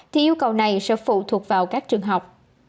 thì yêu cầu này sẽ phụ thuộc vào các trường học